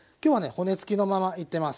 骨付きのままいってます。